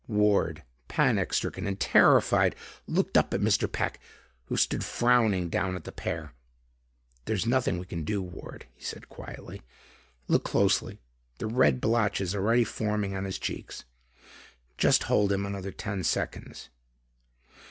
Ward, panic stricken and terrified, looked up at Mr. Peck, who stood frowning down at the pair. "There's nothing we can do, Ward," he said quietly. "Look closely. The red blotches are already forming on his cheeks. Just hold him another ten seconds."